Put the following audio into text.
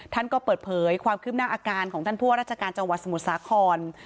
ท่านก็เปิดเผยความคืบหน้าอาการของท่านผู้ว่าราชการจังหวัดสมุทรสาคร